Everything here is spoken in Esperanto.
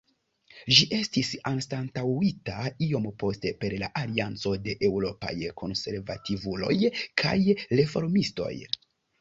Ĝi estis anstataŭita iom poste per la Alianco de Eŭropaj Konservativuloj kaj Reformistoj.